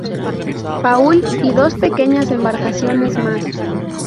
Paul" y dos pequeñas embarcaciones más.